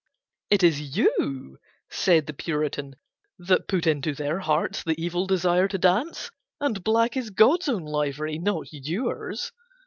"It is you," said the Puritan, "that put into their hearts the evil desire to dance; and black is God's own livery, not yours."